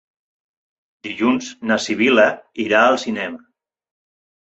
Dilluns na Sibil·la irà al cinema.